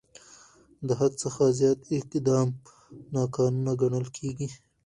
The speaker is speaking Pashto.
د حد څخه زیات اقدام ناقانونه ګڼل کېږي.